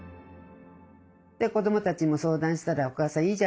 子どもたちにも相談したら「お母さんいいじゃない。